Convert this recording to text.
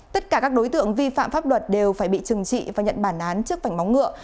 tất cả các đối tượng vi phạm pháp luật đều phải bị trừng trị và nhận bản án trước vảnh móng ngựa